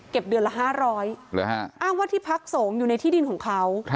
เดือนละ๕๐๐อ้างว่าที่พักสงฆ์อยู่ในที่ดินของเขา